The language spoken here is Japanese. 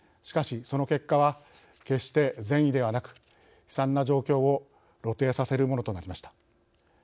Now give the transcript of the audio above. しかし、その結果は決して善意ではなく悲惨な状況を露呈させるものとなりました。